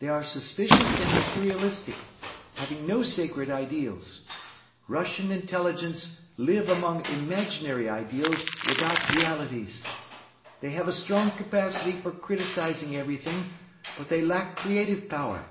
They are suspicious and materialistic, having no sacred ideals. Russian intelligents live among imaginary ideals without realities. They have a strong capacity for criticising everything but they lack creative power.